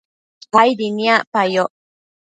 aidi niacpayoc